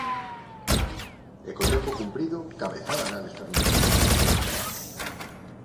E co tempo cumprido, cabezada de Álex Fernández.